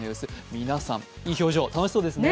皆さん、いい表情、楽しそうですね。